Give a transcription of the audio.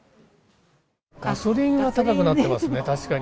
ガソリンが高くなってますね、確かに。